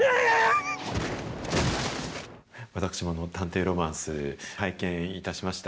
私も探偵ロマンス、拝見いたしました。